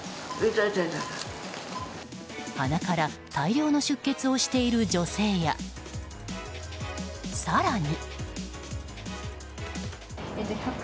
鼻から大量の出血をしている女性や更に。